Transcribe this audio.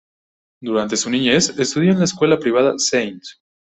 Durante su niñez estudió en la escuela privada St.